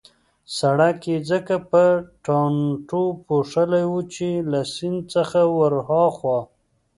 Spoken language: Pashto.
سړک يې ځکه په ټانټو پوښلی وو چې له سیند څخه ورهاخوا.